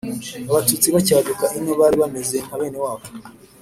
abatutsi bacyaduka ino bari bameze nka bene wabo